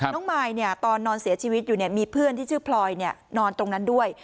น้องมายเนี่ยตอนนอนเสียชีวิตอยู่เนี่ยมีเพื่อนที่ชื่อพลอยเนี่ยนอนตรงนั้นด้วย